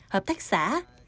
hợp tác xã